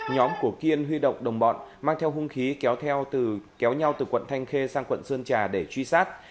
nhóm của kiên huy động đồng bọn mang theo hung khí kéo nhau từ quận thanh khê sang quận sơn trà để truy sát